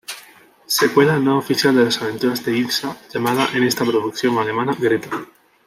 Secuela no oficial de las aventuras de Ilsa, llamada en esta producción alemana Greta.